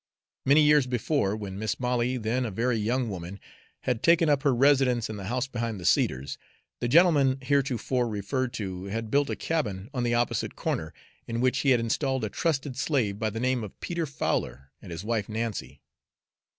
Many years before, when Mis' Molly, then a very young woman, had taken up her residence in the house behind the cedars, the gentleman heretofore referred to had built a cabin on the opposite corner, in which he had installed a trusted slave by the name of Peter Fowler and his wife Nancy.